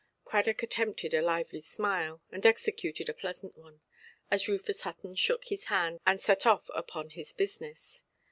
Cradock attempted a lively smile, and executed a pleasant one, as Rufus Hutton shook his hand, and set off upon his business.